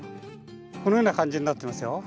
このような感じになってますよ。